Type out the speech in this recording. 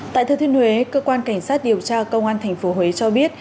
tại thừa thiên huế cơ quan cảnh sát điều tra công an tp huế cho biết